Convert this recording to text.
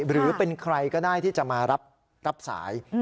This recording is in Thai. หรือเป็นใครก็ได้ที่จะมารับสาย